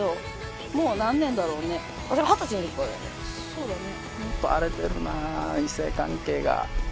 そうだね。